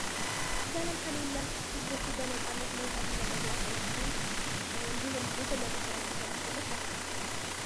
Desman is of Portuguese descent.